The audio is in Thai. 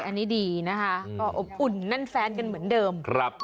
อันนี้ดีนะคะก็อบอุ่นแน่นแฟนกันเหมือนเดิม